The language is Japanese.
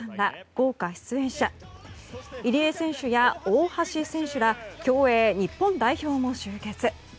豪華出演者入江選手や大橋選手ら競泳日本代表も集結。